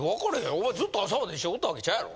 お前ずっと朝まで一緒におったわけちゃうやろ？